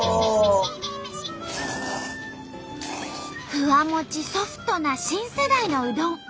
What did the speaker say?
フワモチソフトな新世代のうどん。